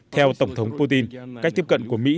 theo tổng thống putin cách tiếp cận của mỹ